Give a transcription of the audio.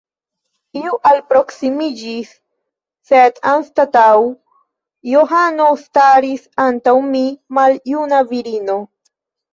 Iu alproksimiĝis, sed anstataŭ Johano staris antaŭ mi maljuna virino.